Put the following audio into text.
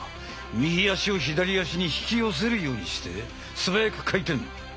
右足を左足に引き寄せるようにしてすばやく回転。